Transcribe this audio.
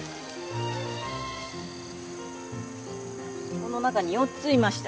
この中に４ついました。